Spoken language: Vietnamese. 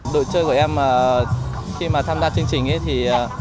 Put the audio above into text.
đội chơi của em khi mà tham gia chương trình thì